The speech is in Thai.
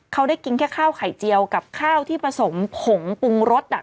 เขาได้กินแค่ข้าวไข่เจียวกับข้าวที่ผสมผงปรุงรส